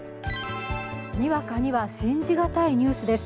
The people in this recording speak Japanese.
にわかには信じがたいニュースです。